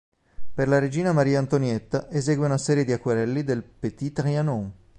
Per la regina Maria Antonietta, esegue una serie di acquerelli del Petit Trianon.